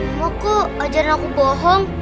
mama kok ajarin aku bohong